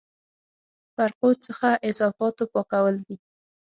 فرقو څخه اضافاتو پاکول دي.